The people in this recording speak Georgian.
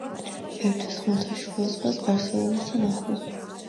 ერთვის ხმელთაშუა ზღვას ბარსელონასთან ახლოს.